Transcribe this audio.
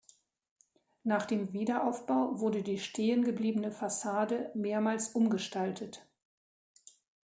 Nach dem Wiederaufbau wurde die stehen gebliebene Fassade mehrmals umgestaltet.